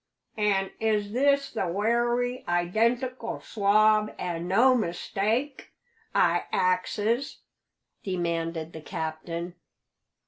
"An' is this the wery identical swab, an' no mistake? I axes," demanded the captain.